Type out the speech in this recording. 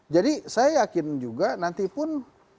jadi saya yakin juga nanti pun